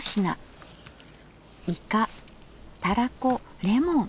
いかたらこレモン。